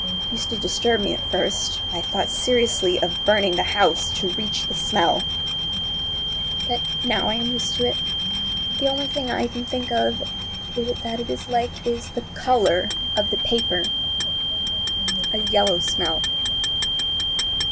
It used to disturb me at first. I thought seriously of burning the house—to reach the smell. But now I am used to it. The only thing I can think of that it is like is the color of the paper! A yellow smell.